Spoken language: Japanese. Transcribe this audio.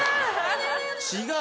違う